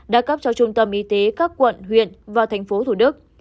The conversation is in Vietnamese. đã cấp cho trung tâm y tế các quận huyện và thành phố thủ đức